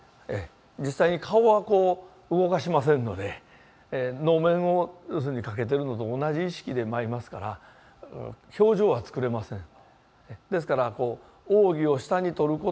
実際に顔はこう動かしませんので能面をかけてるのと同じ意識で舞いますから表情は作れません。